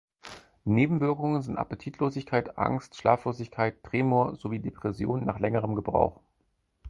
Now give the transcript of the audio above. Nebenwirkungen sind Appetitlosigkeit, Angst, Schlaflosigkeit, Tremor sowie Depression nach längerem Gebrauch.